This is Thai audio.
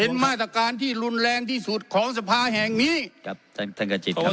เป็นมาตรการที่รุนแรงที่สุดของสภาแห่งนี้ครับท่านท่านกระจิตครับ